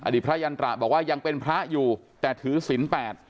พระยันตระบอกว่ายังเป็นพระอยู่แต่ถือศิลป